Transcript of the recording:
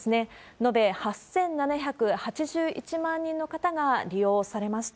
延べ８７８１万人の方が利用されました。